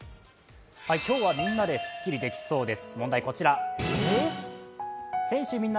今日はみんなですっきりできそうです。